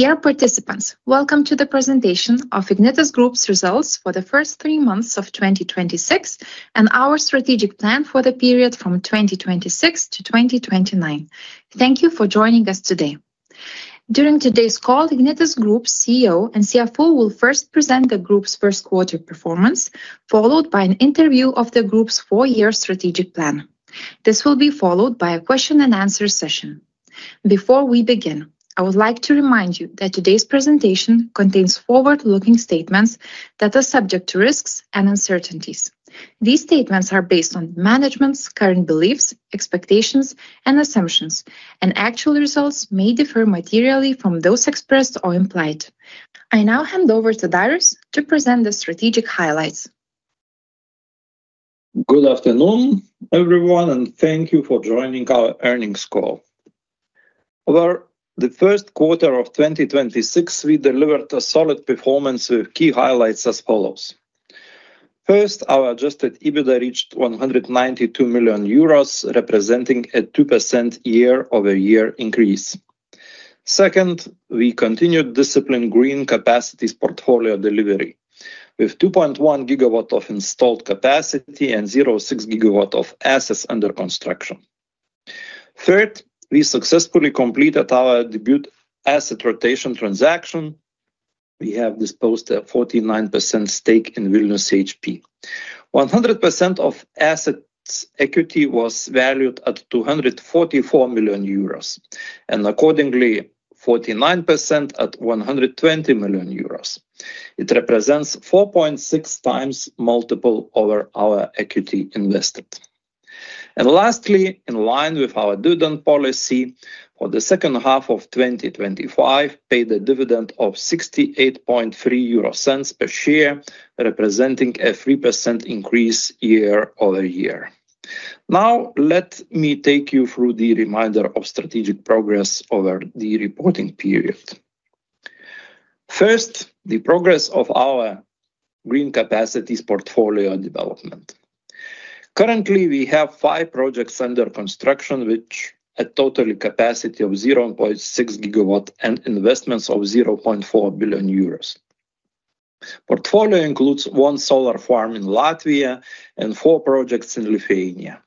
Dear participants, welcome to the presentation of Ignitis Group's results for the first 3 months of 2026, and our strategic plan for the period from 2026 to 2029. Thank you for joining us today. During today's call, Ignitis Group CEO and CFO will first present the group's first quarter performance, followed by an overview of the group's four-year strategic plan. This will be followed by a question and answer session. Before we begin, I would like to remind you that today's presentation contains forward-looking statements that are subject to risks and uncertainties. These statements are based on management's current beliefs, expectations, and assumptions, actual results may differ materially from those expressed or implied. I now hand over to Darius to present the strategic highlights. Good afternoon, everyone, and thank you for joining our earnings call. Over the first quarter of 2026, we delivered a solid performance with key highlights as follows. First, our adjusted EBITDA reached 192 million euros, representing a 2% year-over-year increase. Second, we continued disciplined green capacities portfolio delivery with 2.1 GW of installed capacity and 0.6 GW of assets under construction. Third, we successfully completed our debut asset rotation transaction. We have disposed a 49% stake in Vilnius CHP. 100% of assets equity was valued at 244 million euros, and accordingly, 49% at 120 million euros. It represents 4.6x multiple over our equity invested. Lastly, in line with our dividend policy for the second half of 2025, paid a dividend of 0.683 per share, representing a 3% increase year-over-year. Let me take you through the reminder of strategic progress over the reporting period. First, the progress of our green capacities portfolio development. Currently, we have five projects under construction, which a total capacity of 0.6 GW and investments of 0.4 billion euros. Portfolio includes one solar farm in Latvia and four projects in Lithuania.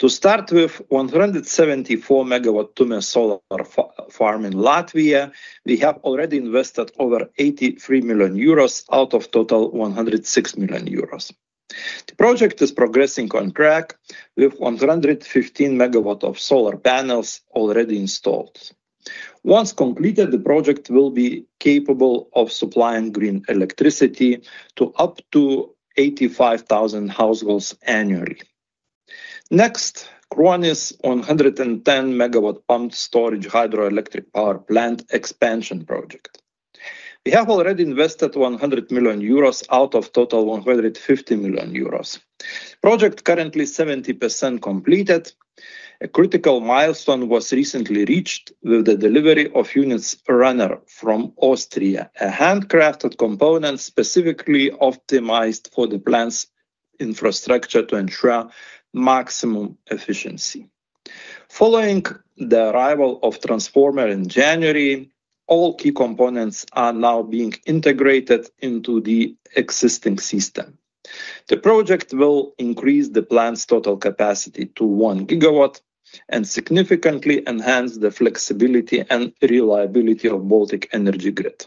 174 MW Tume solar farm in Latvia, we have already invested over 83 million euros out of total 106 million euros. The project is progressing on track with 115 MW of solar panels already installed. Once completed, the project will be capable of supplying green electricity to up to 85,000 households annually. Next, Kruonis 110 MW pumped storage hydroelectric power plant expansion project. We have already invested 100 million euros out of total 150 million euros. Project currently 70% completed. A critical milestone was recently reached with the delivery of unit's runner from Austria, a handcrafted component specifically optimized for the plant's infrastructure to ensure maximum efficiency. Following the arrival of transformer in January, all key components are now being integrated into the existing system. The project will increase the plant's total capacity to 1 GW and significantly enhance the flexibility and reliability of Baltic energy grid.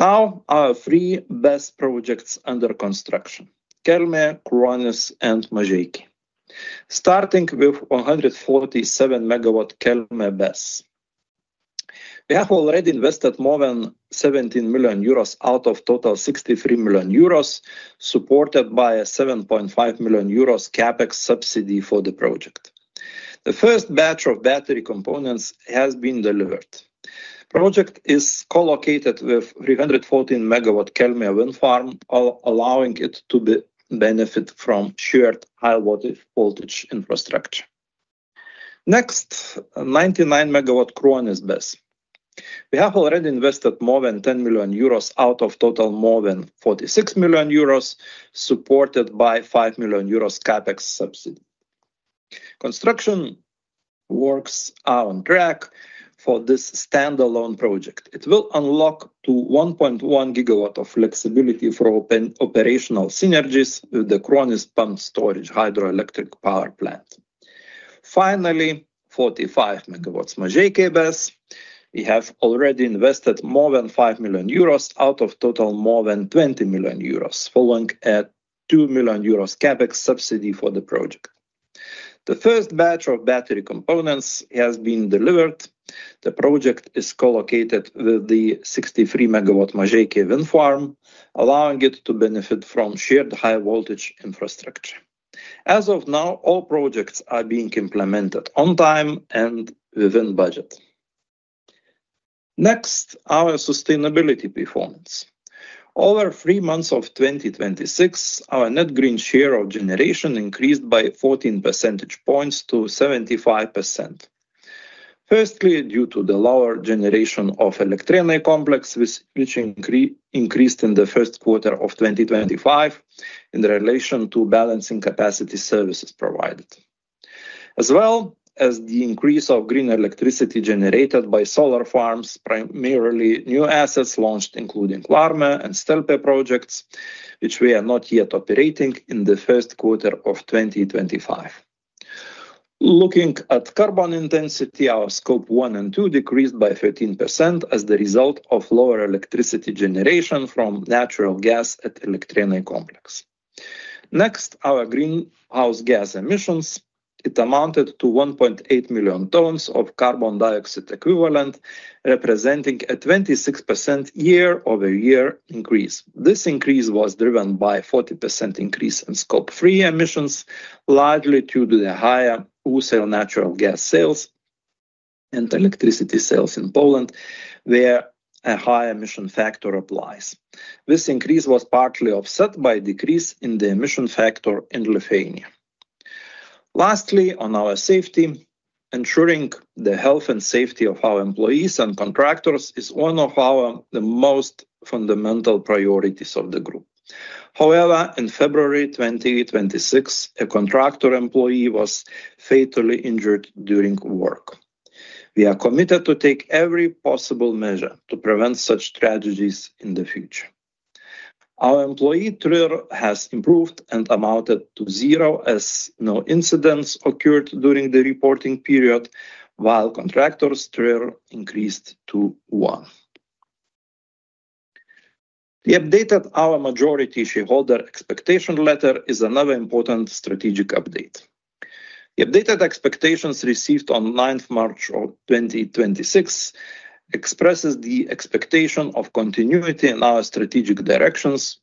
Now, our three BESS projects under construction, Kelmė, Kruonis, and Mažeikiai. Starting with 147 MW Kelmė BESS. co-located with the 63 MW Mažeikiai wind farm, allowing it to benefit from shared high voltage infrastructure. As of now, all projects are being implemented on time and within budget. Next, our sustainability performance. Over three months of 2026, our net green share of generation increased by 14 percentage points to 75%. Firstly, due to the lower generation of Elektrėnai Complex, which increased in the first quarter of 2025 in relation to balancing capacity services provided. As well as the increase of green electricity generated by solar farms, primarily new assets launched, including Kelmė and Stelpe projects, which we are not yet operating in the first quarter of 2025. Looking at carbon intensity, our Scope 1 and 2 decreased by 13% as the result of lower electricity generation from natural gas at Elektrėnai Complex. Next, our greenhouse gas emissions amounted to 1.8 million tons of carbon dioxide equivalent, representing a 26% year-over-year increase. This increase was driven by 40% increase in Scope 3 emissions, largely due to the higher wholesale natural gas sales and electricity sales in Poland, where a high emission factor applies. This increase was partly offset by decrease in the emission factor in Lithuania. Lastly, on our safety, ensuring the health and safety of our employees and contractors is one of our the most fundamental priorities of the group. However, in February 2026, a contractor employee was fatally injured during work. We are committed to take every possible measure to prevent such tragedies in the future. Our employee TRIR has improved and amounted to 0, as no incidents occurred during the reporting period, while contractors' TRIR increased to 1. The update of our majority shareholder expectation letter is another important strategic update. The updated expectations received on 9th March 2026 expresses the expectation of continuity in our strategic directions,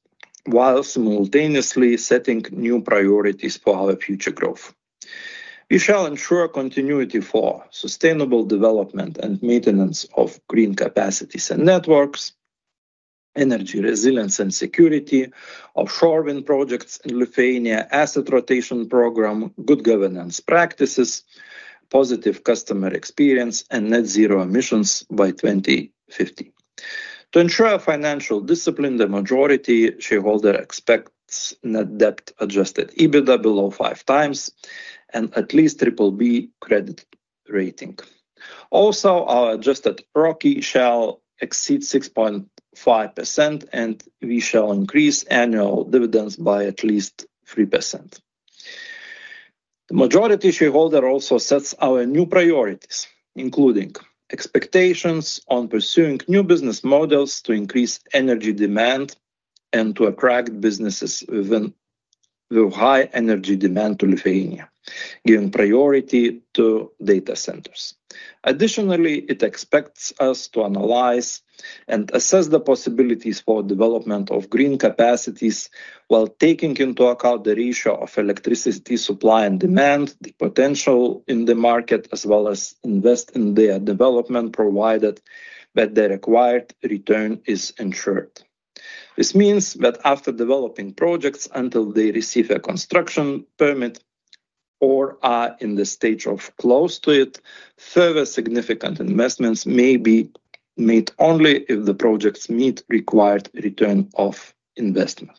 while simultaneously setting new priorities for our future growth. We shall ensure continuity for sustainable development and maintenance of green capacities and networks, energy resilience and security, offshore wind projects in Lithuania, asset rotation program, good governance practices, positive customer experience, and net zero emissions by 2050. To ensure financial discipline, the majority shareholder expects net debt adjusted EBITDA below 5x and at least BBB credit rating. Also, our adjusted ROE shall exceed 6.5%, and we shall increase annual dividends by at least 3%. The majority shareholder also sets our new priorities, including expectations on pursuing new business models to increase energy demand and to attract businesses within the high energy demand to Lithuania, giving priority to data centers. It expects us to analyze and assess the possibilities for development of green capacities while taking into account the ratio of electricity supply and demand, the potential in the market, as well as invest in their development, provided that the required return is ensured. This means that after developing projects until they receive a construction permit or are in the stage of close to it, further significant investments may be made only if the projects meet required return on investment.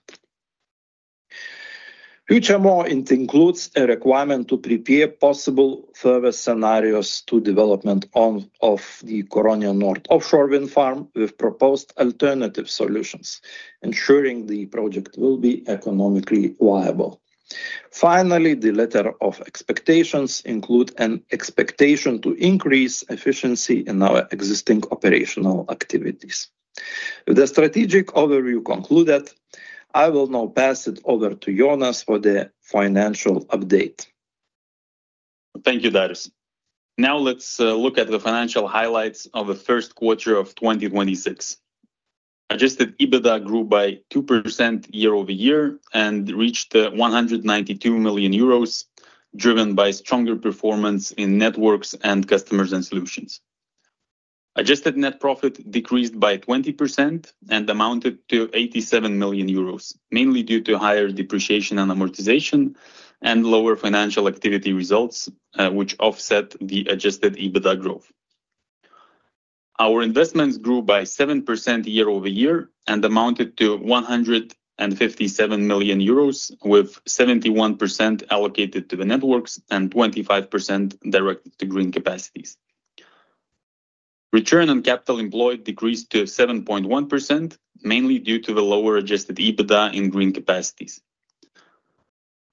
It includes a requirement to prepare possible further scenarios to development on of the Curonian Nord offshore wind farm with proposed alternative solutions, ensuring the project will be economically viable. The letter of expectations include an expectation to increase efficiency in our existing operational activities. With the strategic overview concluded, I will now pass it over to Jonas for the financial update. Thank you, Darius. Let's look at the financial highlights of the first quarter of 2026. Adjusted EBITDA grew by 2% year-over-year and reached 192 million euros, driven by stronger performance in networks and customers and solutions. Adjusted net profit decreased by 20% and amounted to 87 million euros, mainly due to higher depreciation and amortization and lower financial activity results, which offset the adjusted EBITDA growth. Our investments grew by 7% year-over-year and amounted to 157 million euros, with 71% allocated to the networks and 25% directed to green capacities. Return on capital employed decreased to 7.1%, mainly due to the lower adjusted EBITDA in green capacities.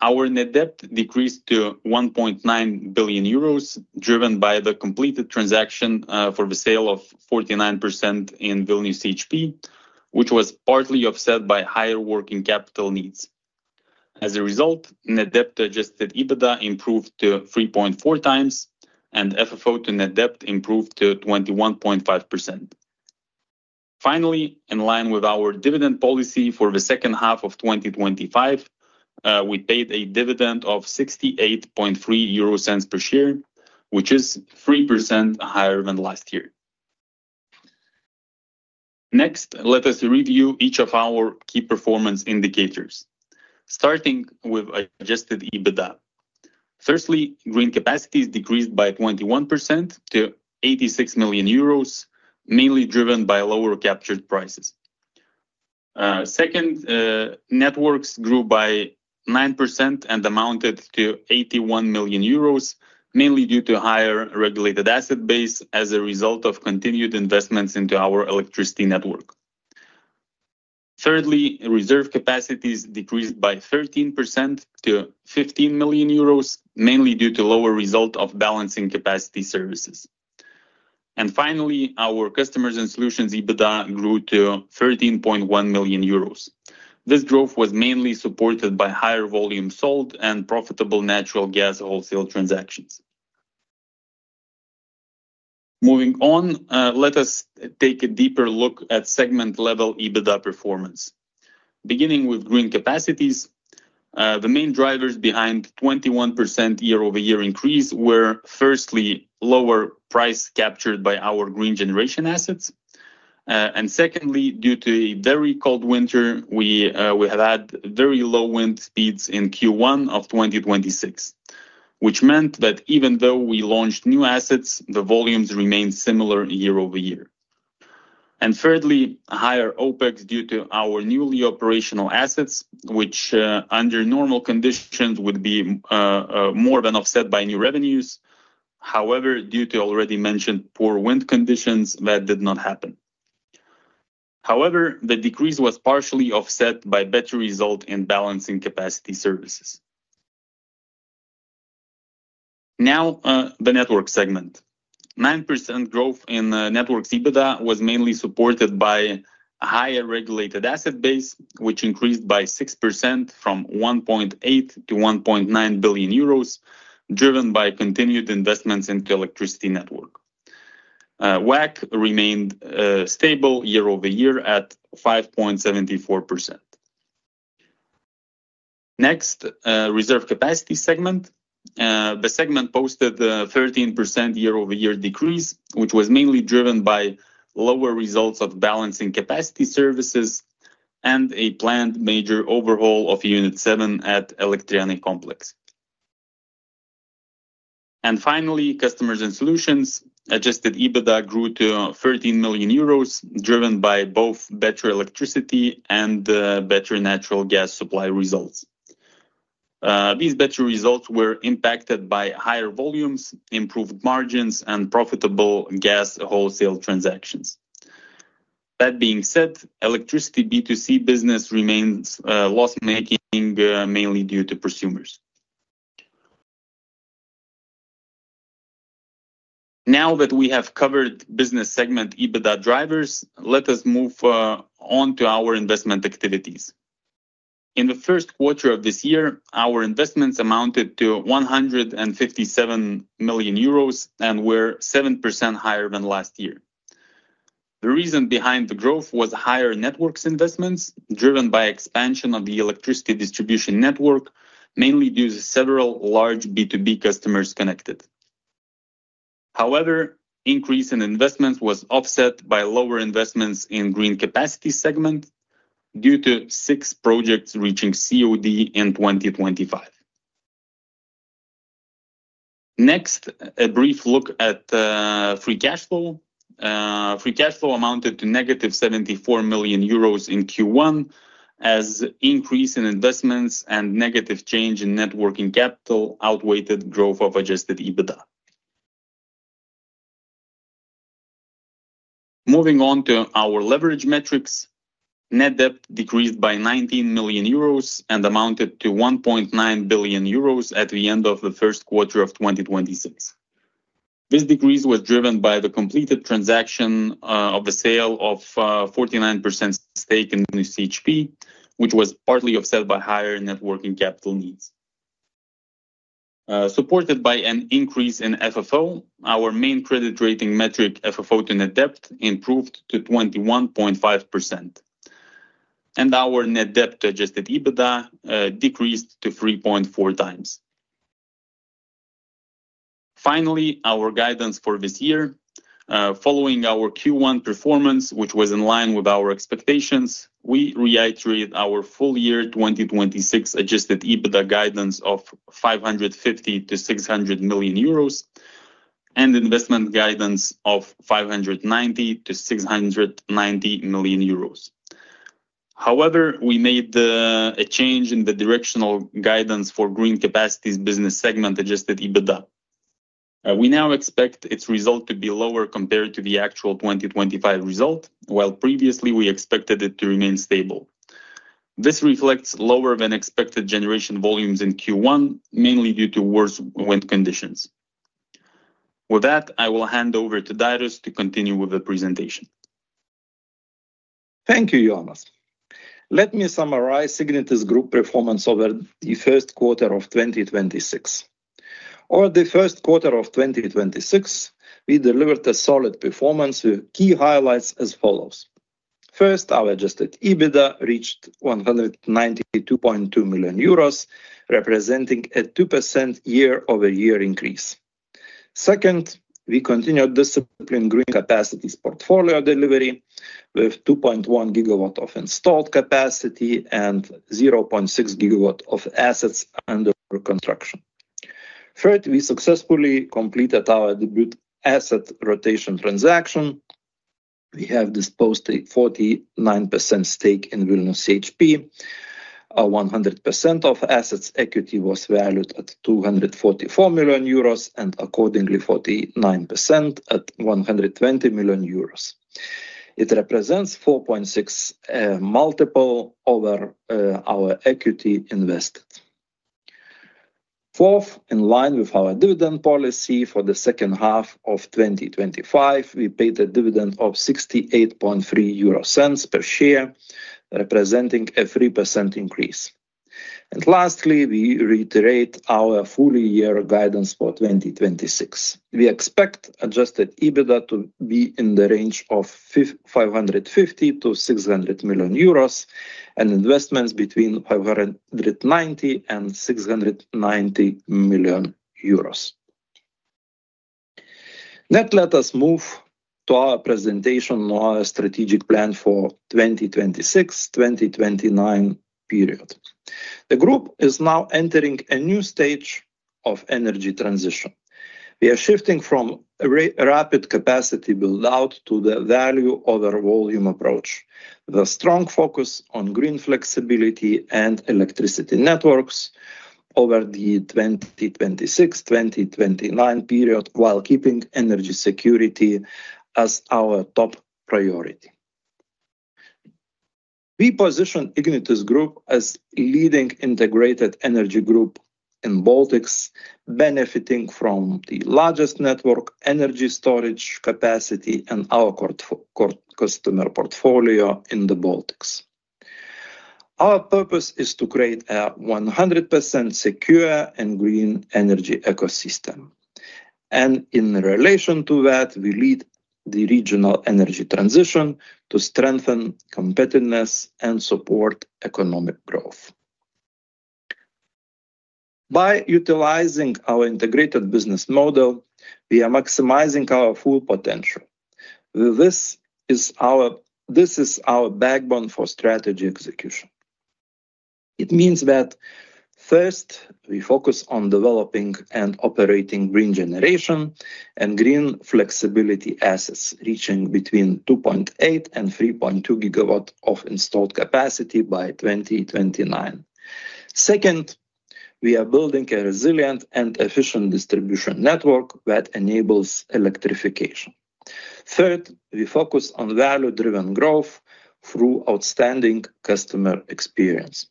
Our net debt decreased to 1.9 billion euros, driven by the completed transaction for the sale of 49% in Vilnius CHP, which was partly offset by higher working capital needs. As a result, net debt to adjusted EBITDA improved to 3.4x, and FFO to net debt improved to 21.5%. Finally, in line with our dividend policy for the second half of 2025, we paid a dividend of 0.683 per share, which is 3% higher than last year. Next, let us review each of our key performance indicators, starting with adjusted EBITDA. Firstly, green capacities decreased by 21% to 86 million euros, mainly driven by lower captured prices. Second, networks grew by 9% and amounted to 81 million euros, mainly due to higher regulated asset base as a result of continued investments into our electricity network. Thirdly, reserve capacities decreased by 13% to 15 million euros, mainly due to lower result of balancing capacity services. Finally, our customers and solutions EBITDA grew to 13.1 million euros. This growth was mainly supported by higher volume sold and profitable natural gas wholesale transactions. Moving on, let us take a deeper look at segment-level EBITDA performance. Beginning with green capacities, the main drivers behind 21% year-over-year increase were, firstly, lower price captured by our green generation assets. Secondly, due to a very cold winter, we had very low wind speeds in Q1 of 2026, which meant that even though we launched new assets, the volumes remained similar year-over-year. Thirdly, higher OpEx due to our newly operational assets, which, under normal conditions would be more than offset by new revenues. Due to already mentioned poor wind conditions, that did not happen. The decrease was partially offset by better result in balancing capacity services. The network segment. 9% growth in the network's EBITDA was mainly supported by a higher regulated asset base, which increased by 6% from 1.8 billion-1.9 billion euros, driven by continued investments into electricity network. WACC remained stable year-over-year at 5.74%. Next, reserve capacity segment. The segment posted a 13% year-over-year decrease, which was mainly driven by lower results of balancing capacity services and a planned major overhaul of unit 7 at Elektrėnai Complex. Customers and solutions. Adjusted EBITDA grew to 13 million euros, driven by both better electricity and better natural gas supply results. These better results were impacted by higher volumes, improved margins, and profitable gas wholesale transactions. That being said, electricity B2C business remains loss-making, mainly due to prosumers. Now that we have covered business segment EBITDA drivers, let us move on to our investment activities. In the first quarter of this year, our investments amounted to 157 million euros and were 7% higher than last year. The reason behind the growth was higher networks investments driven by expansion of the electricity distribution network, mainly due to several large B2B customers connected. However, increase in investments was offset by lower investments in green capacity segment due to six projects reaching COD in 2025. Next, a brief look at free cash flow. Free cash flow amounted to negative 74 million euros in Q1 as increase in investments and negative change in net working capital outweighed growth of adjusted EBITDA. Moving on to our leverage metrics. Net debt decreased by 19 million euros and amounted to 1.9 billion euros at the end of the first quarter of 2026. This decrease was driven by the completed transaction of the sale of 49% stake in Vilnius CHP, which was partly offset by higher net working capital needs. Supported by an increase in FFO, our main credit rating metric, FFO to net debt, improved to 21.5%. Our net debt to adjusted EBITDA decreased to 3.4x. Finally, our guidance for this year. Following our Q1 performance, which was in line with our expectations, we reiterate our full year 2026 adjusted EBITDA guidance of 550 million-600 million euros and investment guidance of 590 million-690 million euros. However, we made a change in the directional guidance for green capacities business segment adjusted EBITDA. We now expect its result to be lower compared to the actual 2025 result, while previously we expected it to remain stable. This reflects lower than expected generation volumes in Q1, mainly due to worse wind conditions. With that, I will hand over to Darius to continue with the presentation. Thank you, Jonas. Let me summarize Ignitis Group performance over the first quarter of 2026. Over the first quarter of 2026, we delivered a solid performance with key highlights as follows. First, our adjusted EBITDA reached 192.2 million euros, representing a 2% year-over-year increase. Second, we continued disciplined green capacities portfolio delivery with 2.1 GW of installed capacity and 0.6 GW of assets under construction. Third, we successfully completed our debut asset rotation transaction. We have disposed a 49% stake in Vilnius CHP. 100% of assets equity was valued at 244 million euros and accordingly 49% at 120 million euros. It represents 4.6 multiple over our equity invested. Fourth, in line with our dividend policy for the second half of 2025, we paid a dividend of 0.683 per share, representing a 3% increase. Lastly, we reiterate our full year guidance for 2026. We expect adjusted EBITDA to be in the range of 550 million-600 million euros and investments between 590 million-690 million euros. Let us move to our presentation on our strategic plan for 2026-2029 period. The group is now entering a new stage of energy transition. We are shifting from rapid capacity build-out to the value over volume approach. The strong focus on green flexibility and electricity networks over the 2026-2029 period, while keeping energy security as our top priority. We position Ignitis Group as leading integrated energy group in the Baltics, benefiting from the largest network energy storage capacity and our customer portfolio in the Baltics. Our purpose is to create a 100% secure and green energy ecosystem. In relation to that, we lead the regional energy transition to strengthen competitiveness and support economic growth. By utilizing our integrated business model, we are maximizing our full potential. This is our backbone for strategy execution. It means that first, we focus on developing and operating green generation and green flexibility assets, reaching between 2.8 GW and 3.2 GW of installed capacity by 2029. Second, we are building a resilient and efficient distribution network that enables electrification. Third, we focus on value-driven growth through outstanding customer experience.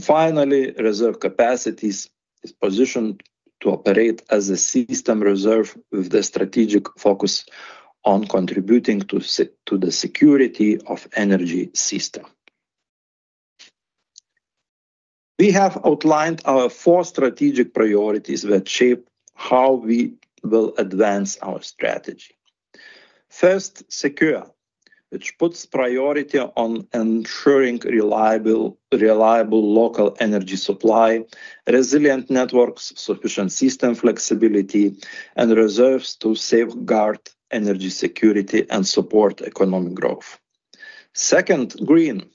Finally, reserve capacities is positioned to operate as a system reserve with the strategic focus on contributing to the security of energy system. We have outlined our four strategic priorities that shape how we will advance our strategy. First, secure, which puts priority on ensuring reliable local energy supply, resilient networks, sufficient system flexibility, and reserves to safeguard energy security and support economic growth. Second, green,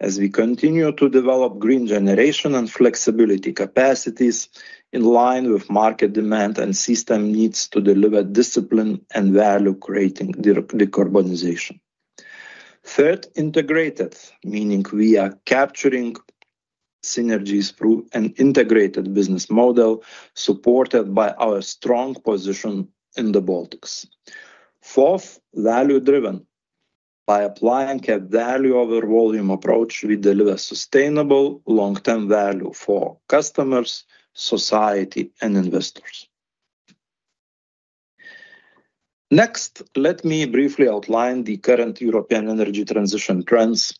as we continue to develop green generation and flexibility capacities in line with market demand and system needs to deliver discipline and value-creating decarbonization. Third, integrated, meaning we are capturing synergies through an integrated business model supported by our strong position in the Baltics. Fourth, value-driven. By applying a value over volume approach, we deliver sustainable long-term value for customers, society, and investors. Next, let me briefly outline the current European energy transition trends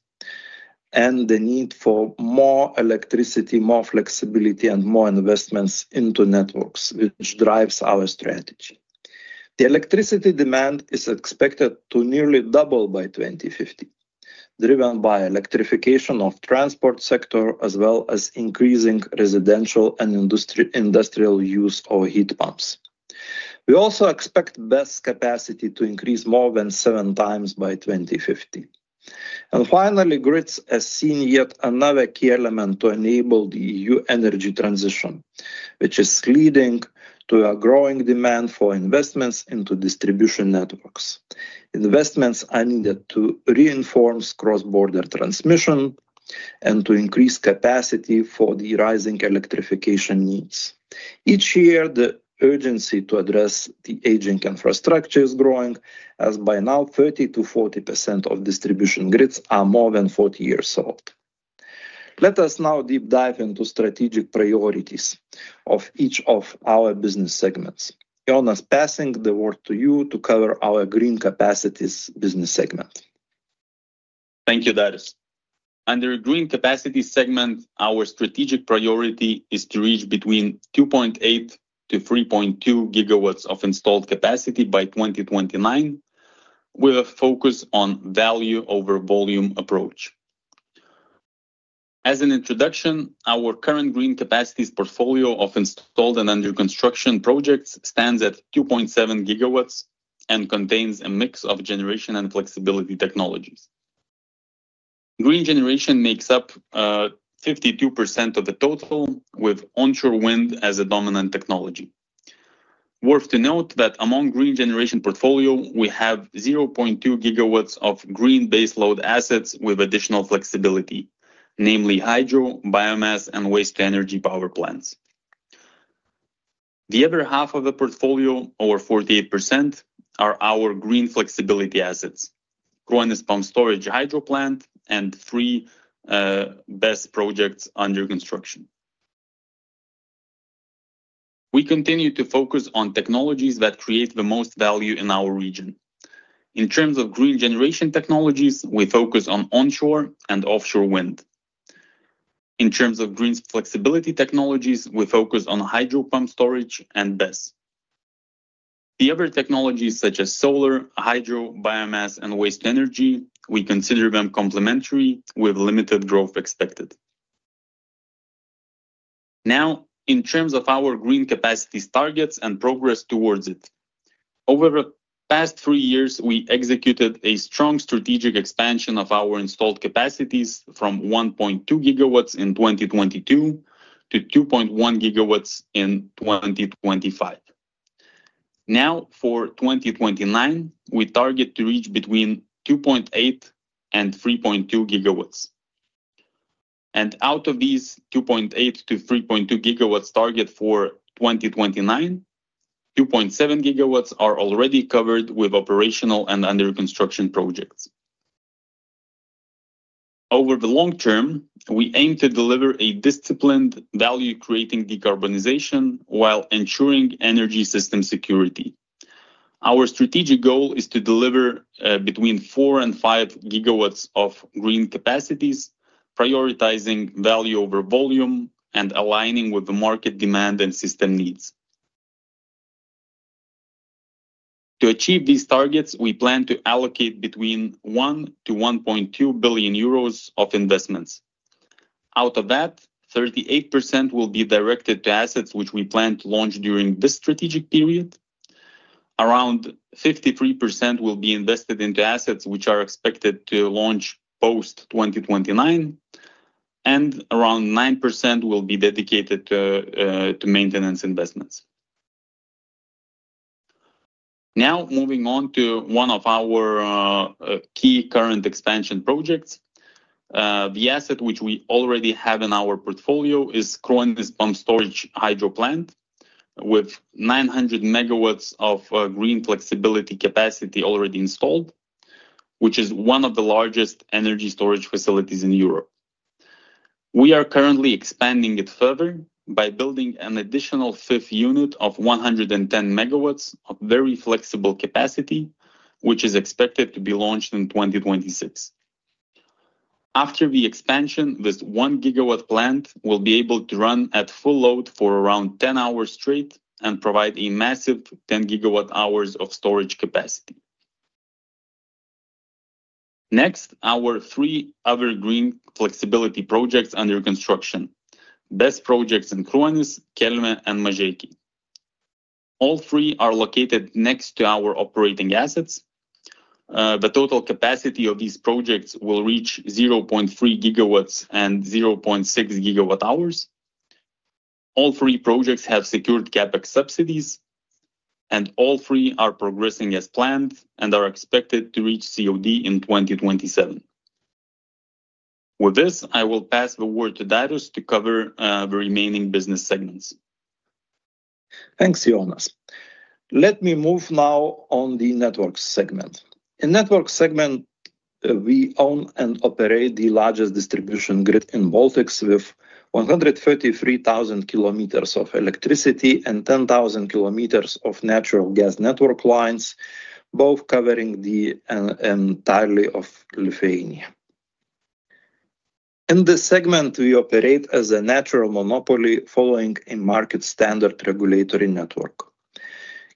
and the need for more electricity, more flexibility, and more investments into networks, which drives our strategy. The electricity demand is expected to nearly double by 2050, driven by electrification of transport sector as well as increasing residential and industrial use of heat pumps. We also expect BESS capacity to increase more than seven times by 2050. Finally, grids has seen yet another key element to enable the EU energy transition, which is leading to a growing demand for investments into distribution networks. Investments are needed to reinforce cross-border transmission and to increase capacity for the rising electrification needs. Each year, the urgency to address the aging infrastructure is growing, as by now 30%-40% of distribution grids are more than 40 years old. Let us now deep dive into strategic priorities of each of our business segments. Jonas, passing the word to you to cover our Green Capacities Business Segment. Thank you, Darius. Under green capacity segment, our strategic priority is to reach between 2.8 GW-3.2 GW of installed capacity by 2029, with a focus on value over volume approach. As an introduction, our current green capacities portfolio of installed and under construction projects stands at 2.7 GW and contains a mix of generation and flexibility technologies. Green generation makes up 52% of the total, with onshore wind as a dominant technology. Worth to note that among green generation portfolio, we have 0.2 GW of green base load assets with additional flexibility, namely hydro, biomass, and waste-to-energy power plants. The other half of the portfolio, over 48%, are our green flexibility assets. Kruonis Pump Storage Hydro Plant and three BESS projects under construction. We continue to focus on technologies that create the most value in our region. In terms of green generation technologies, we focus on onshore and offshore wind. In terms of green flexibility technologies, we focus on hydro pump storage and BESS. The other technologies such as solar, hydro, biomass, and waste energy, we consider them complementary with limited growth expected. In terms of our green capacities targets and progress towards it. Over the past three years, we executed a strong strategic expansion of our installed capacities from 1.2 GW in 2022 to 2.1 GW in 2025. For 2029, we target to reach between 2.8 GW and 3.2 GW. Out of these 2.8 GW-3.2 GW target for 2029, 2.7 GW are already covered with operational and under-construction projects. Over the long term, we aim to deliver a disciplined value-creating decarbonization while ensuring energy system security. Our strategic goal is to deliver between 4 GW and 5 GW of green capacities, prioritizing value over volume and aligning with the market demand and system needs. To achieve these targets, we plan to allocate between 1 billion-1.2 billion euros of investments. Out of that, 38% will be directed to assets which we plan to launch during this strategic period. Around 53% will be invested into assets which are expected to launch post-2029. Around 9% will be dedicated to maintenance investments. Now, moving on to one of our key current expansion projects. The asset which we already have in our portfolio is Kruonis pump storage hydro plant with 900 MW of green flexibility capacity already installed, which is one of the largest energy storage facilities in Europe. We are currently expanding it further by building an additional fifth unit of 110 MW of very flexible capacity, which is expected to be launched in 2026. After the expansion, this 1-GW plant will be able to run at full load for around 10 hours straight and provide a massive 10 GWh of storage capacity. Our three other green flexibility projects under construction. BESS projects in Kruonis, Kelmė, and Mažeikiai. All three are located next to our operating assets. The total capacity of these projects will reach 0.3 GW and 0.6 GWh. All three projects have secured CapEx subsidies, and all three are progressing as planned and are expected to reach COD in 2027. With this, I will pass the word to Darius to cover the remaining business segments. Thanks, Jonas. Let me move now on the network segment. In network segment, we own and operate the largest distribution grid in Baltics with 133,000 km of electricity and 10,000 km of natural gas network lines, both covering the entirety of Lithuania. In this segment, we operate as a natural monopoly following a market standard regulatory network.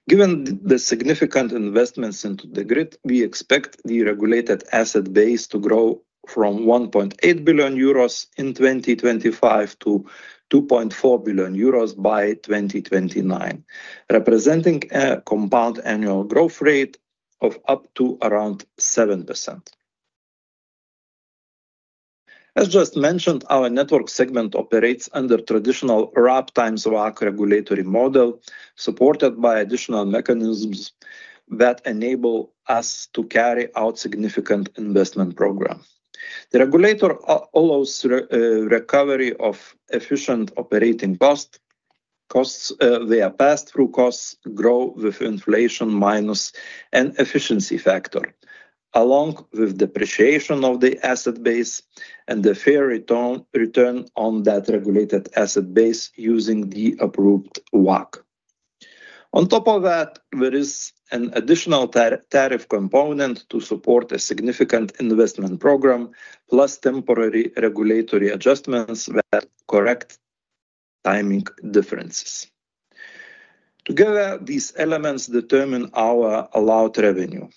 Given the significant investments into the grid, we expect the regulated asset base to grow from 1.8 billion euros in 2025 to 2.4 billion euros by 2029, representing a CAGR of up to around 7%. As just mentioned, our network segment operates under traditional RAB x WACC regulatory model, supported by additional mechanisms that enable us to carry out significant investment program. The regulator allows recovery of efficient operating costs. They are pass-through costs, grow with inflation minus an efficiency factor, along with depreciation of the asset base and the fair return on that regulated asset base using the approved WACC. On top of that, there is an additional tariff component to support a significant investment program, plus temporary regulatory adjustments that correct timing differences. Together, these elements determine our allowed revenue.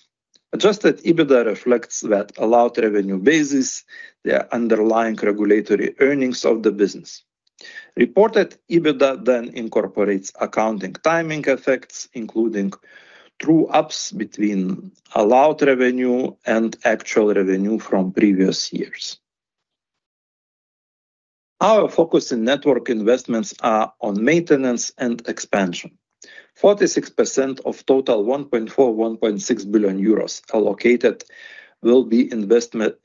adjusted EBITDA reflects that allowed revenue basis, the underlying regulatory earnings of the business. Reported EBITDA then incorporates accounting timing effects, including true ups between allowed revenue and actual revenue from previous years. Our focus in network investments are on maintenance and expansion. 46% of total 1.6 billion euros allocated will be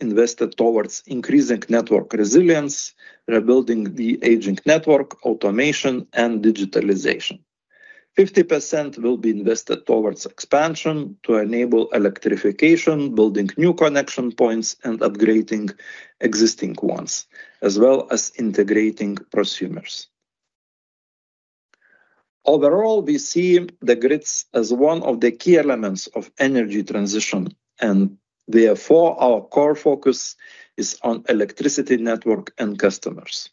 invested towards increasing network resilience, rebuilding the aging network, automation and digitalization. 50% will be invested towards expansion to enable electrification, building new connection points and upgrading existing ones, as well as integrating prosumers. We see the grids as one of the key elements of energy transition and therefore our core focus is on electricity network and customers.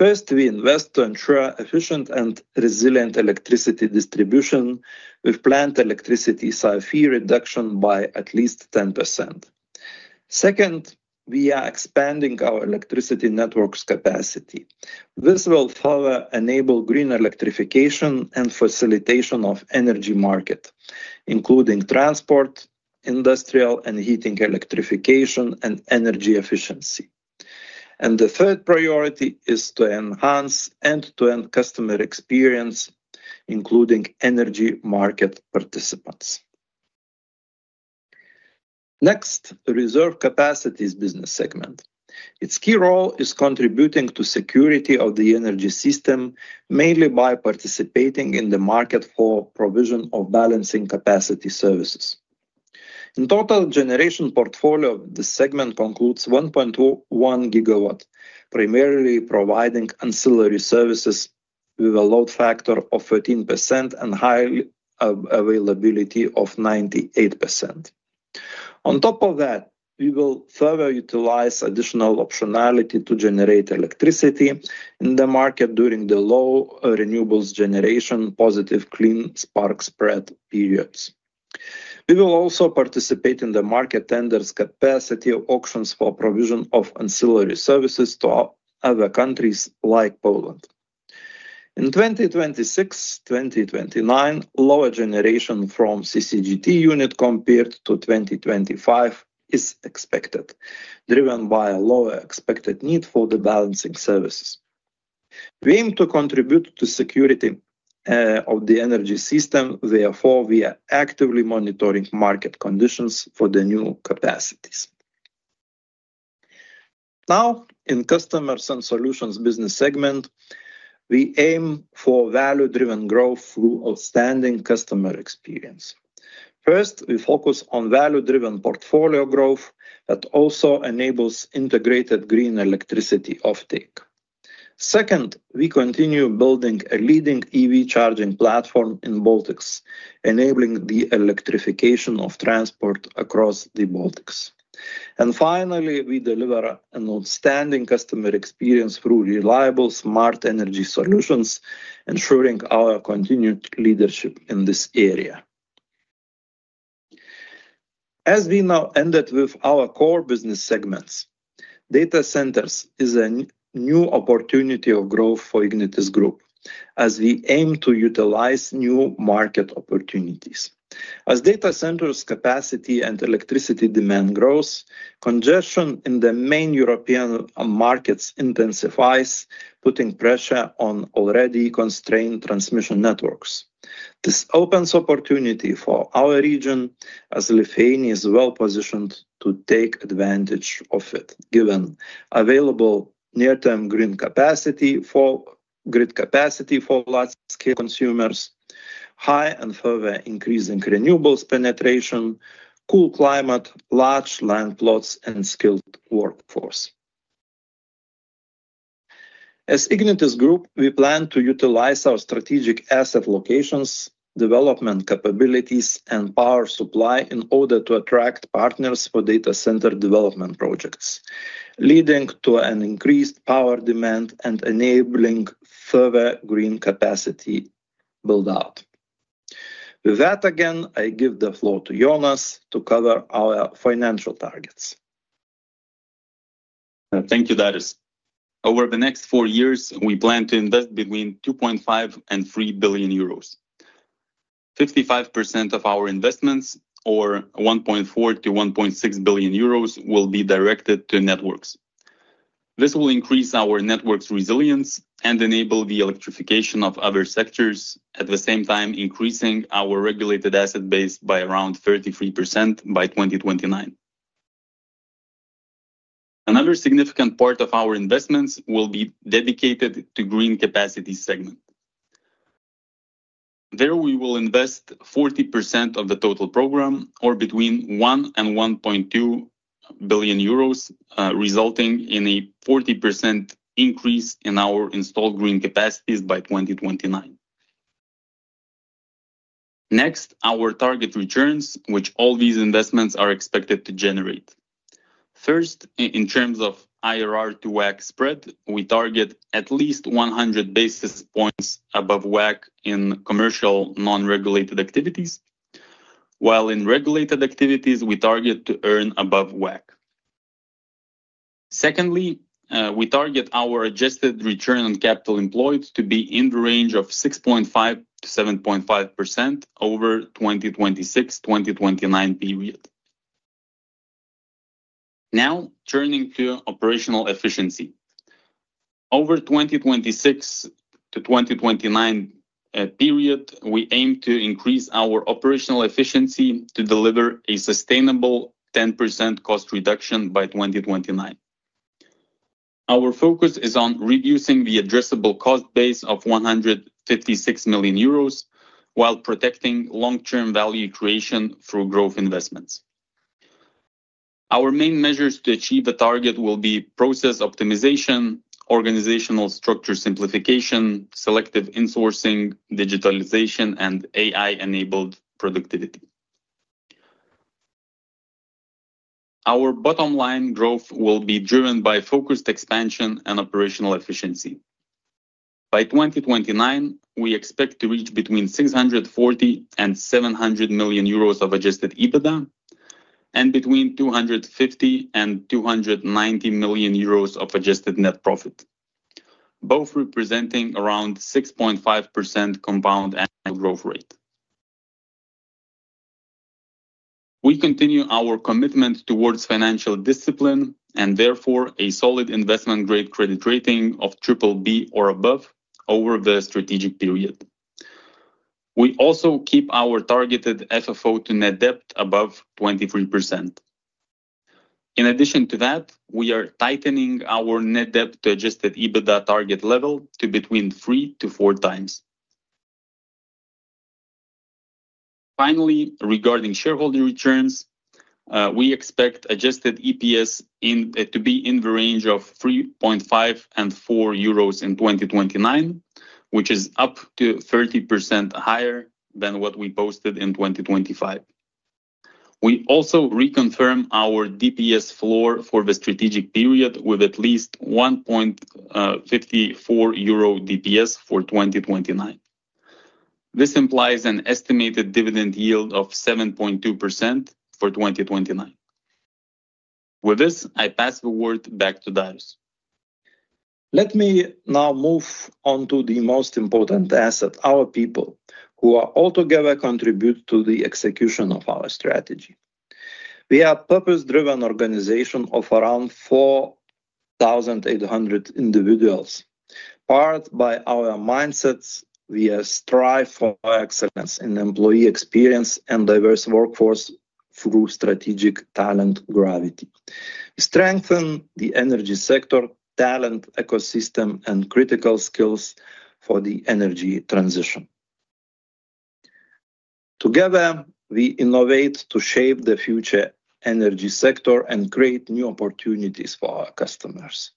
We invest to ensure efficient and resilient electricity distribution with planned electricity SAIFI reduction by at least 10%. We are expanding our electricity networks capacity. This will further enable green electrification and facilitation of energy market, including transport, industrial and heating electrification and energy efficiency. The third priority is to enhance end-to-end customer experience, including energy market participants. Reserve capacities business segment. Its key role is contributing to security of the energy system, mainly by participating in the market for provision of balancing capacity services. In total generation portfolio, the segment concludes 1.21 GW, primarily providing ancillary services with a load factor of 13% and high availability of 98%. On top of that, we will further utilize additional optionality to generate electricity in the market during the low renewables generation positive clean spark spread periods. We will also participate in the market tenders capacity auctions for provision of ancillary services to other countries like Poland. In 2026, 2029, lower generation from CCGT unit compared to 2025 is expected, driven by a lower expected need for the balancing services. We aim to contribute to security of the energy system, therefore we are actively monitoring market conditions for the new capacities. Now, in Customers and Solutions Business Segment, we aim for value-driven growth through outstanding customer experience. First, we focus on value-driven portfolio growth that also enables integrated green electricity offtake. Second, we continue building a leading EV charging platform in Baltics, enabling the electrification of transport across the Baltics. Finally, we deliver an outstanding customer experience through reliable, smart energy solutions, ensuring our continued leadership in this area. As we now ended with our core business segments, data centers is a new opportunity of growth for Ignitis Group as we aim to utilize new market opportunities. As data centers capacity and electricity demand grows, congestion in the main European markets intensifies, putting pressure on already constrained transmission networks. This opens opportunity for our region as Lithuania is well-positioned to take advantage of it, given available near-term green grid capacity for large-scale consumers, high and further increasing renewables penetration, cool climate, large land plots and skilled workforce. As Ignitis Group, we plan to utilize our strategic asset locations, development capabilities and power supply in order to attract partners for data center development projects, leading to an increased power demand and enabling further green capacity build-out. With that, again, I give the floor to Jonas to cover our financial targets. Thank you, Darius. Over the next four years, we plan to invest between 2.5 billion and 3 billion euros. 55% of our investments or 1.4 billion-1.6 billion euros will be directed to networks. This will increase our network's resilience and enable the electrification of other sectors, at the same time increasing our regulated asset base by around 33% by 2029. Another significant part of our investments will be dedicated to green capacity segment. There we will invest 40% of the total program, or between 1 billion and 1.2 billion euros, resulting in a 40% increase in our installed green capacities by 2029. Next, our target returns, which all these investments are expected to generate. First, in terms of IRR to WACC spread, we target at least 100 basis points above WACC in commercial non-regulated activities. While in regulated activities, we target to earn above WACC. Secondly, we target our adjusted return on capital employed to be in the range of 6.5%-7.5% over 2026-2029 period. Now, turning to operational efficiency. Over 2026-2029 period, we aim to increase our operational efficiency to deliver a sustainable 10% cost reduction by 2029. Our focus is on reducing the addressable cost base of 156 million euros while protecting long-term value creation through growth investments. Our main measures to achieve the target will be process optimization, organizational structure simplification, selective insourcing, digitalization, and AI-enabled productivity. Our bottom line growth will be driven by focused expansion and operational efficiency. By 2029, we expect to reach between 640 million and 700 million euros of adjusted EBITDA and between 250 million and 290 million euros of adjusted net profit, both representing around 6.5% compound annual growth rate. We continue our commitment towards financial discipline and therefore a solid investment-grade credit rating of triple B or above over the strategic period. We also keep our targeted FFO to net debt above 23%. In addition to that, we are tightening our net debt to adjusted EBITDA target level to between 3x to 4x. Finally, regarding shareholder returns, we expect adjusted EPS to be in the range of 3.5 and 4 euros in 2029, which is up to 30% higher than what we posted in 2025. We also reconfirm our DPS floor for the strategic period with at least 1.54 euro DPS for 2029. This implies an estimated dividend yield of 7.2% for 2029. With this, I pass the word back to Darius. Let me now move on to the most important asset, our people, who are all together contribute to the execution of our strategy. We are purpose-driven organization of around 4,800 individuals. Powered by our mindsets, we strive for excellence in employee experience and diverse workforce through strategic talent gravity. We strengthen the energy sector, talent ecosystem, and critical skills for the energy transition. Together, we innovate to shape the future energy sector and create new opportunities for our customers.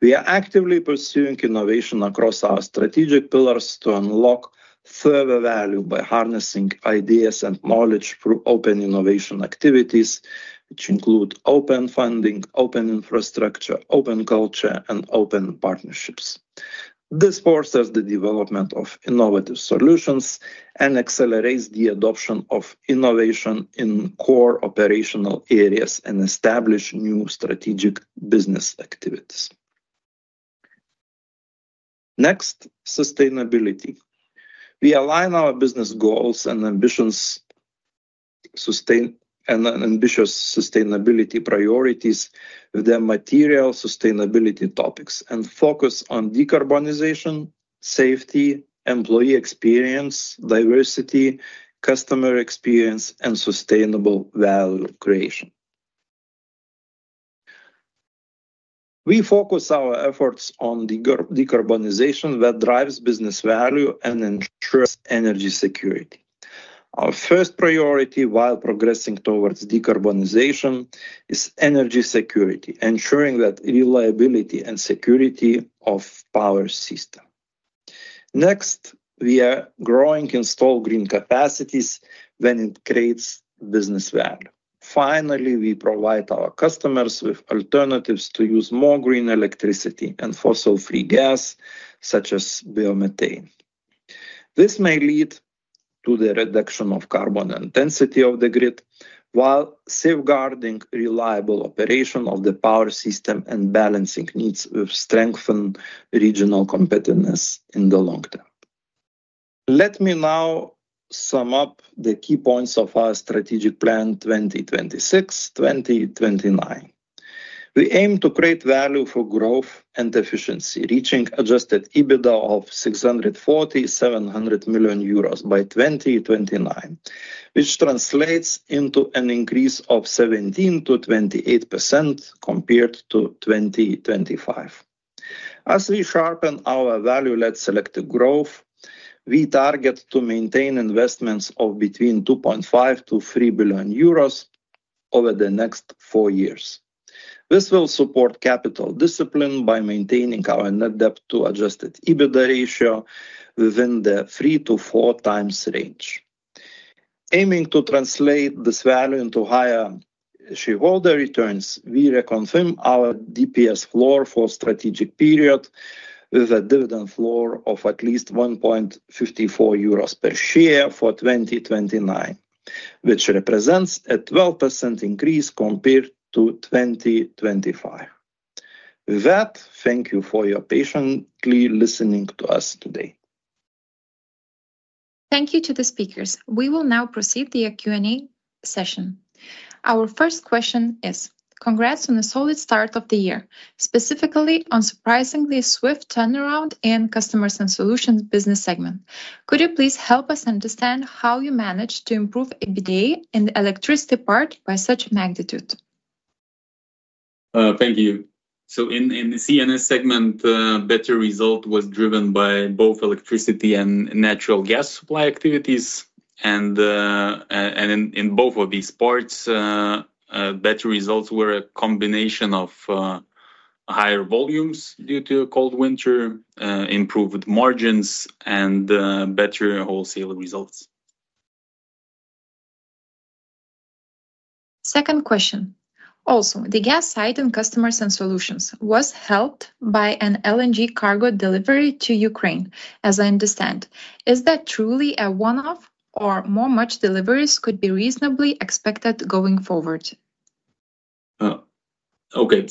We are actively pursuing innovation across our strategic pillars to unlock further value by harnessing ideas and knowledge through open innovation activities, which include open funding, open infrastructure, open culture, and open partnerships. This forces the development of innovative solutions and accelerates the adoption of innovation in core operational areas and establish new strategic business activities. Next, sustainability. We align our business goals and ambitious sustainability priorities with the material sustainability topics and focus on decarbonization, safety, employee experience, diversity, customer experience, and sustainable value creation. We focus our efforts on decarbonization that drives business value and ensures energy security. Our first priority while progressing towards decarbonization is energy security, ensuring that reliability and security of power system. Next, we are growing installed green capacities when it creates business value. Finally, we provide our customers with alternatives to use more green electricity and fossil-free gas, such as biomethane. This may lead to the reduction of carbon intensity of the grid, while safeguarding reliable operation of the power system and balancing needs with strengthened regional competitiveness in the long term. Let me now sum up the key points of our strategic plan 2026-2029. We aim to create value for growth and efficiency, reaching adjusted EBITDA of 640 million-700 million euros by 2029, which translates into an increase of 17%-28% compared to 2025. As we sharpen our value-led selective growth, we target to maintain investments of between 2.5 billion-3 billion euros over the next four years. This will support capital discipline by maintaining our net debt to adjusted EBITDA ratio within the 3x to 4x range. Aiming to translate this value into higher shareholder returns. We reconfirm our DPS floor for strategic period with a dividend floor of at least 1.54 euros per share for 2029, which represents a 12% increase compared to 2025. With that, thank you for your patiently listening to us today. Thank you to the speakers. We will now proceed the Q&A session. Our first question is: Congrats on the solid start of the year, specifically on surprisingly swift turnaround in customers and solutions business segment. Could you please help us understand how you managed to improve EBITDA in the electricity part by such magnitude? Thank you. In the CNS segment, better result was driven by both electricity and natural gas supply activities. In both of these parts, better results were a combination of higher volumes due to a cold winter, improved margins and better wholesale results. Second question. Also, the gas side in customers and solutions was helped by an LNG cargo delivery to Ukraine, as I understand. Is that truly a one-off or more much deliveries could be reasonably expected going forward? Okay.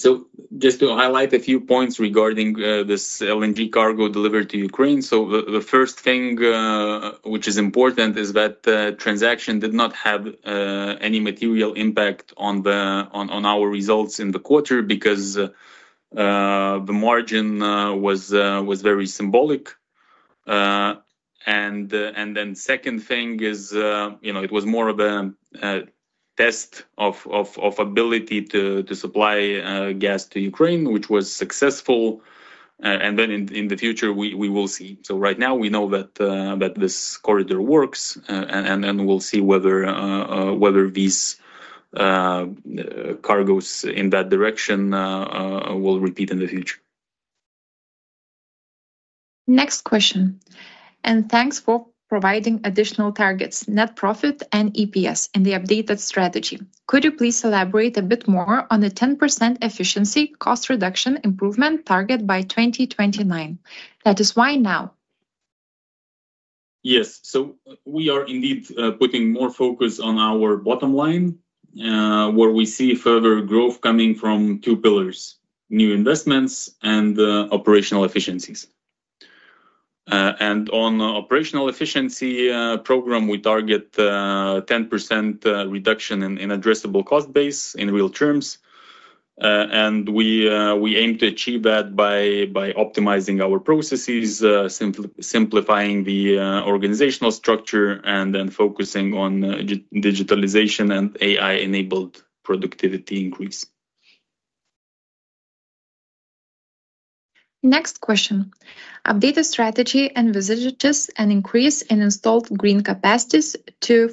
Just to highlight a few points regarding this LNG cargo delivered to Ukraine. The first thing, which is important, is that transaction did not have any material impact on our results in the quarter because the margin was very symbolic. Second thing is, you know, it was more of a test of ability to supply gas to Ukraine, which was successful. In the future, we will see. Right now we know that this corridor works, and then we'll see whether these cargos in that direction will repeat in the future. Next question. Thanks for providing additional targets, net profit and EPS in the updated strategy. Could you please elaborate a bit more on the 10% efficiency cost reduction improvement target by 2029? That is why now? Yes. We are indeed putting more focus on our bottom line, where we see further growth coming from two pillars, new investments and operational efficiencies. And on operational efficiency program, we target a 10% reduction in addressable cost base in real terms. And we aim to achieve that by optimizing our processes, simplifying the organizational structure and then focusing on digitalization and AI-enabled productivity increase. Next question. Updated strategy envisages an increase in installed green capacities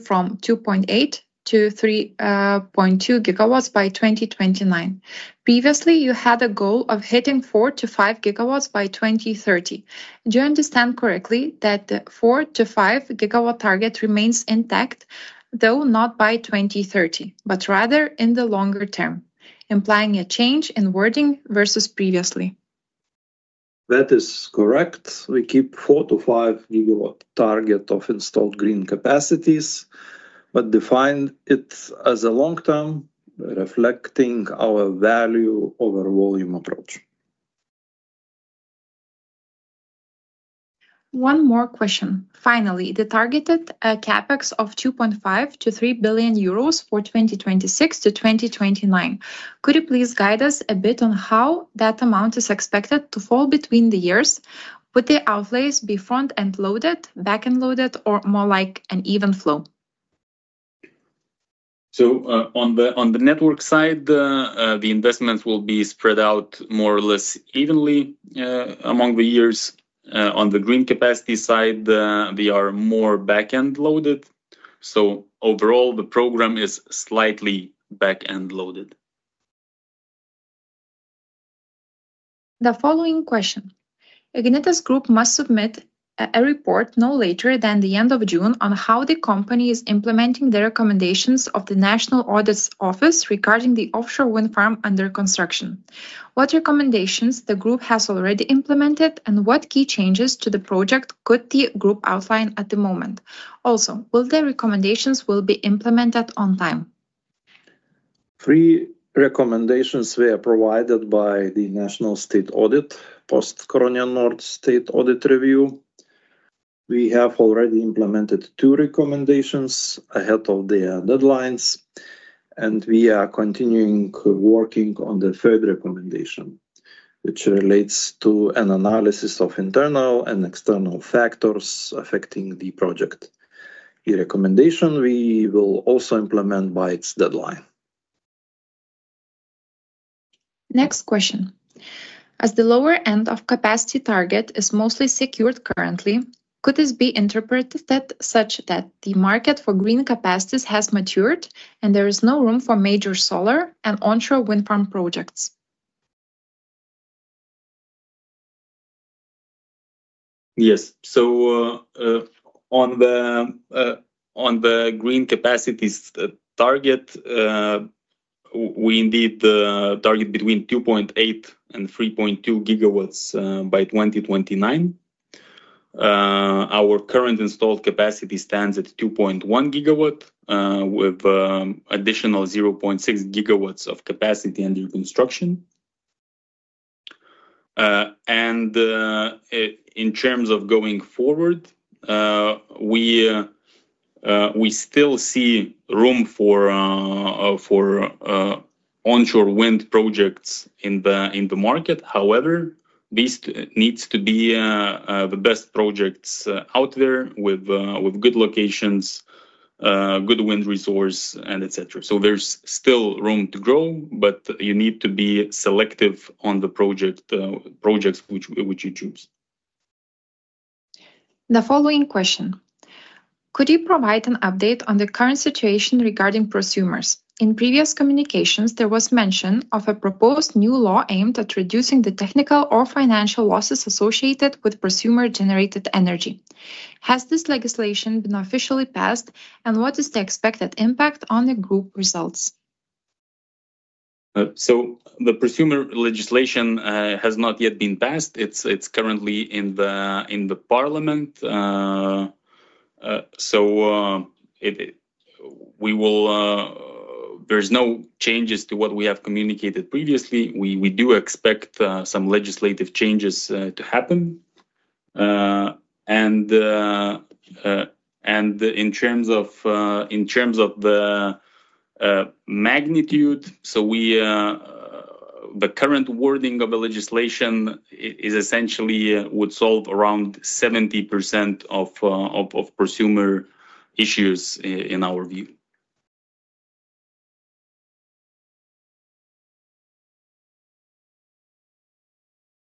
from 2.8 GW to 3.2 GW by 2029. Previously, you had a goal of hitting 4 GW-5 GW by 2030. Do you understand correctly that 4 GW-5 GW target remains intact, though not by 2030, but rather in the longer term, implying a change in wording versus previously? That is correct. We keep 4 GW-5 GW target of installed green capacities, but define it as a long term, reflecting our value over volume approach. One more question. Finally, the targeted CapEx of 2.5 billion-3 billion euros for 2026-2029 that amount is expected to fall between the years? Would the outlays be front-end loaded, back-end loaded, or more like an even flow? On the network side, the investments will be spread out more or less evenly among the years. On the green capacity side, they are more back-end loaded. Overall, the program is slightly back-end loaded. The following question. Ignitis Group must submit a report no later than the end of June on how the company is implementing the recommendations of the National Audit Office regarding the offshore wind farm under construction. What recommendations the group has already implemented, and what key changes to the project could the group outline at the moment? Will the recommendations be implemented on time? Three recommendations were provided by the National Audit Office, post-Curonian Nord State Audit review. We have already implemented two recommendations ahead of the deadlines, and we are continuing working on the third recommendation, which relates to an analysis of internal and external factors affecting the project. The recommendation we will also implement by its deadline. Next question. As the lower end of capacity target is mostly secured currently, could this be interpreted that such that the market for green capacities has matured and there is no room for major solar and onshore wind farm projects? Yes. On the green capacities, the target, we indeed target between 2.8 GW and 3.2 GW by 2029. Our current installed capacity stands at 2.1 GW with additional 0.6 GW of capacity under construction. In terms of going forward, we still see room for onshore wind projects in the market. However, these needs to be the best projects out there with good locations, good wind resource, and et cetera. There's still room to grow, but you need to be selective on the project projects which you choose. The following question. Could you provide an update on the current situation regarding prosumers? In previous communications, there was mention of a proposed new law aimed at reducing the technical or financial losses associated with prosumer-generated energy. Has this legislation been officially passed, and what is the expected impact on the group results? The prosumer legislation has not yet been passed. It's currently in the parliament. There's no changes to what we have communicated previously. We do expect some legislative changes to happen. In terms of the magnitude, we, the current wording of the legislation is essentially would solve around 70% of prosumer issues in our view.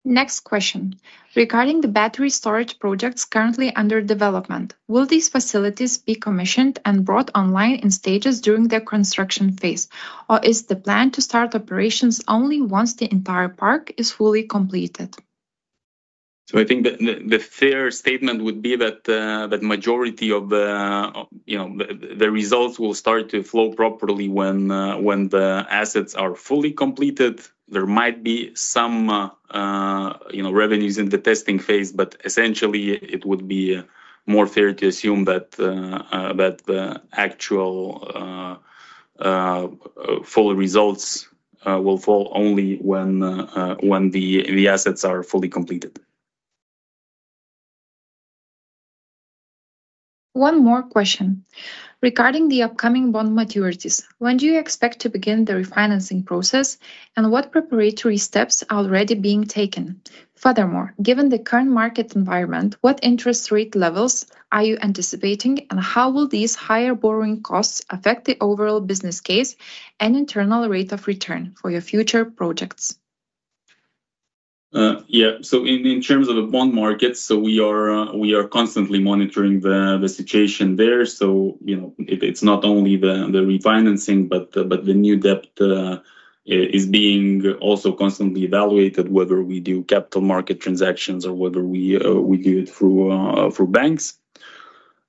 Next question. Regarding the battery storage projects currently under development, will these facilities be commissioned and brought online in stages during the construction phase, or is the plan to start operations only once the entire park is fully completed? I think the fair statement would be that the majority of the, you know, the results will start to flow properly when the assets are fully completed. There might be some, you know, revenues in the testing phase, but essentially, it would be more fair to assume that the actual full results will fall only when the assets are fully completed. One more question. Regarding the upcoming bond maturities, when do you expect to begin the refinancing process, and what preparatory steps are already being taken? Given the current market environment, what interest rate levels are you anticipating, and how will these higher borrowing costs affect the overall business case and internal rate of return for your future projects? Yeah. In terms of the bond market we are constantly monitoring the situation there. You know it's not only the refinancing but the new debt is being also constantly evaluated whether we do capital market transactions or whether we do it through banks.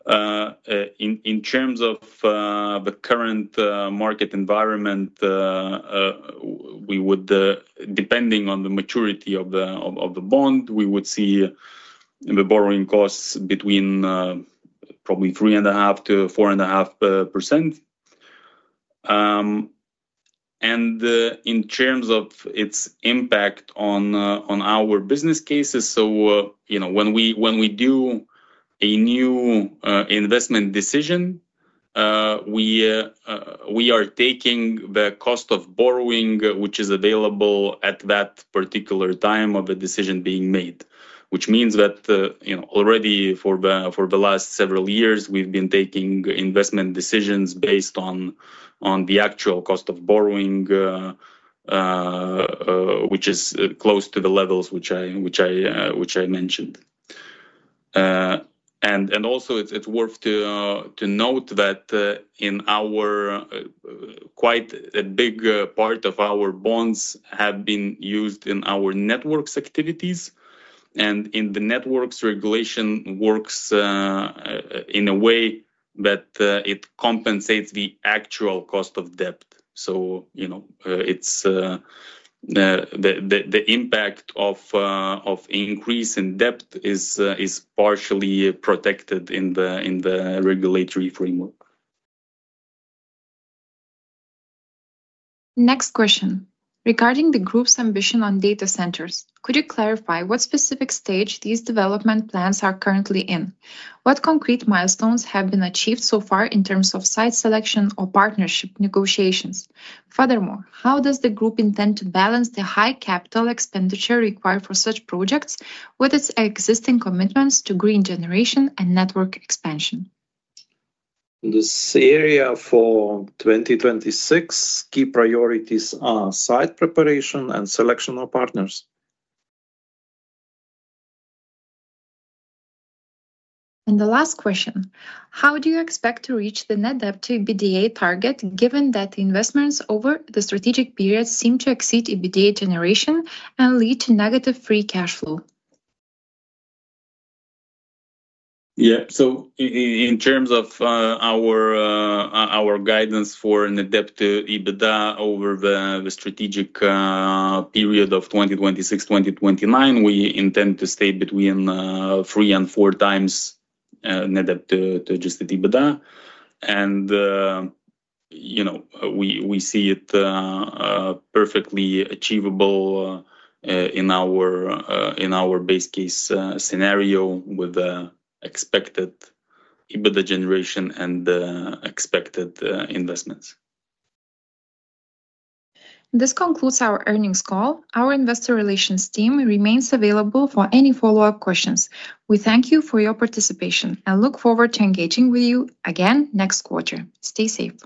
In terms of the current market environment depending on the maturity of the bond we would see the borrowing costs between probably 3.5%-4.5%. In terms of its impact on our business cases. You know, when we do a new investment decision, we are taking the cost of borrowing, which is available at that particular time of the decision being made. That, you know, already for the last several years, we've been taking investment decisions based on the actual cost of borrowing, which is close to the levels which I mentioned. Also it's worth to note that in our quite a big part of our bonds have been used in our networks activities. In the networks regulation works in a way that it compensates the actual cost of debt. You know, it's, the impact of increase in debt is partially protected in the regulatory framework. Next question. Regarding the group's ambition on data centers, could you clarify what specific stage these development plans are currently in? What concrete milestones have been achieved so far in terms of site selection or partnership negotiations? Furthermore, how does the group intend to balance the high capital expenditure required for such projects with its existing commitments to green generation and network expansion? This area for 2026, key priorities are site preparation and selection of partners. The last question. How do you expect to reach the net debt to EBITDA target, given that investments over the strategic period seem to exceed EBITDA generation and lead to negative free cash flow? In terms of our guidance for net debt to EBITDA over the strategic period of 2026-2029, we intend to stay between 3x and 4x net debt to adjusted EBITDA. You know, we see it perfectly achievable in our best case scenario with the expected EBITDA generation and the expected investments. This concludes our earnings call. Our investor relations team remains available for any follow-up questions. We thank you for your participation and look forward to engaging with you again next quarter. Stay safe.